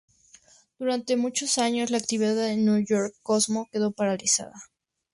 Durante muchos años, la actividad de New York Cosmos quedó paralizada.